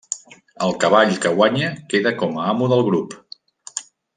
El cavall que guanya queda com a amo del grup.